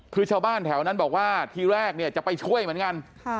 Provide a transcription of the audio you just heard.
คือชาวบ้านแถวนั้นบอกว่าทีแรกเนี่ยจะไปช่วยเหมือนกัน